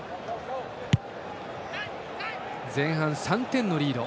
前半３点のリード。